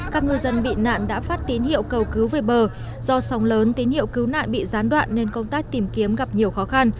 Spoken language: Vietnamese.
các ngư dân bị nạn đã phát tín hiệu cầu cứu về bờ do sóng lớn tín hiệu cứu nạn bị gián đoạn nên công tác tìm kiếm gặp nhiều khó khăn